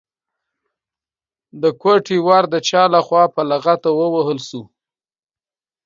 د کوټې ور د چا لخوا په لغته ووهل شو؟